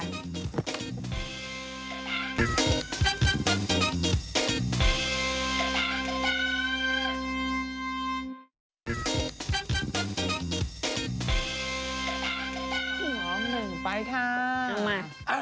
ยอมไปค่ะมา